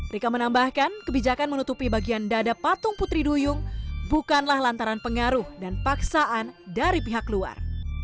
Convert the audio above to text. rika menambahkan kebijakan menutupi bagian dada patung putri duyung bukanlah lantaran pengaruh dan paksaan dari pihak luar